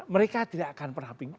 mereka tidak akan pernah bingung